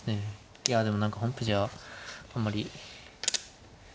いやでも何か本譜じゃああんまり。